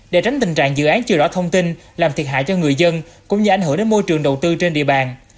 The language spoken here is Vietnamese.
để tránh tình trạng dự án chưa rõ thông tin làm thiệt hại cho người dân cũng như ảnh hưởng đến môi trường đầu tư trên địa bàn